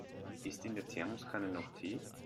Ist in der Thermoskanne noch Tee?